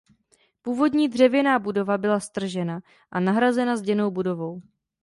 Původní dřevěná budova byla stržena a nahrazena zděnou budovou.